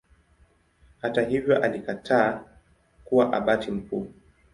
Hata hivyo alikataa kuwa Abati mkuu.